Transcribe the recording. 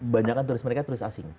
banyak kan turis mereka turis asing